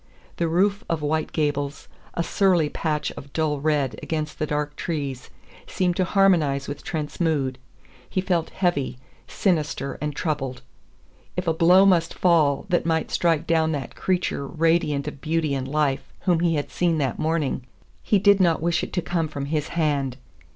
The roof of White Gables, a surly patch of dull red against the dark trees, seemed to harmonize with Trent's mood; he felt heavy, sinister and troubled. If a blow must fall that might strike down that creature radiant of beauty and life whom he had seen that morning, he did not wish it to come from his hand.